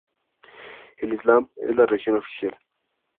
El Islam es la religión oficial.